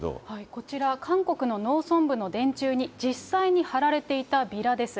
こちら、韓国の農村部の電柱に実際に貼られていたビラです。